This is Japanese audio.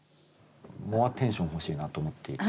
モアテンション欲しいなと思っていて。